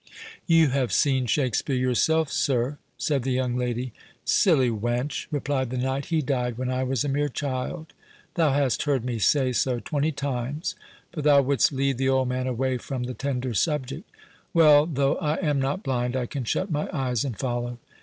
"You have seen Shakspeare yourself, sir?" said the young lady. "Silly wench," replied the knight, "he died when I was a mere child—thou hast heard me say so twenty times; but thou wouldst lead the old man away from the tender subject. Well, though I am not blind, I can shut my eyes and follow.